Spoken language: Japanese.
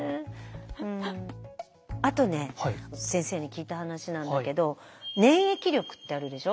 あとね先生に聞いた話なんだけど「粘液力」ってあるでしょ。